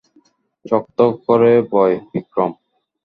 শক্ত করে বয়, বিক্রম!